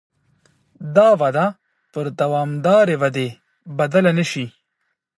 دا وده پر دوامدارې ودې بدله نه شي.